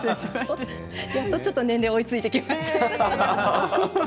やっとちょっと年齢が追いついてきました。